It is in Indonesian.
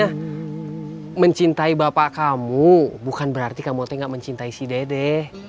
nah mencintai bapak kamu bukan berarti kamu gak mencintai si dede